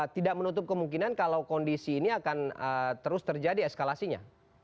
tidak menutup kemungkinan kalau kondisi ini akan terus terjadi eskalasinya